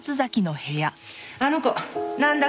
あの子なんだ